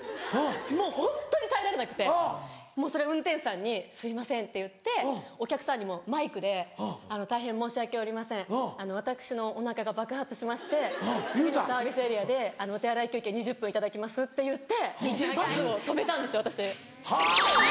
もうホントに耐えられなくてもうそれ運転手さんに「すいません」って言ってお客さんにもマイクで「大変申し訳ありません。私のお腹が爆発しまして次のサービスエリアでお手洗い休憩２０分いただきます」って言ってバスを止めたんです私。